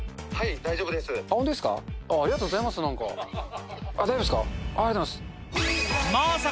大丈夫ですか？